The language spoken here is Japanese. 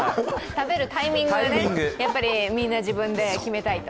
食べるタイミングが、みんな自分で決めたいと。